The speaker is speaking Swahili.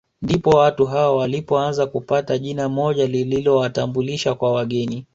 Ndipo watu hao walipoanza kupata jina moja lililowatambulisha kwa wageni